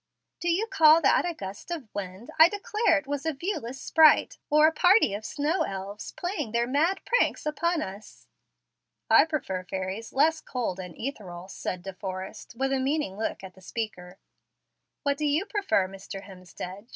"De you call that a gust of wind? I declare it was a viewless sprite, or a party of snow elves, playing their mad pranks upon us." "I prefer fairies less cold and ethereal," said De Forrest, with a meaning look at the speaker. "What do you prefer, Mr. Hemstead?"